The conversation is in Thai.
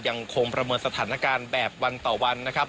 ยังคงประเมินสถานการณ์แบบวันต่อวันนะครับ